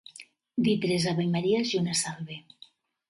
Dir tres avemaries i una salve.